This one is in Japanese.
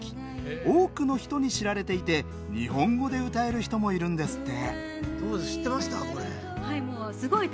多くの人に知られていて日本語で歌える人もいるんですって！